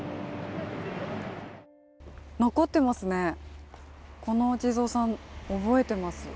残ってますね、このお地蔵さん覚えてます。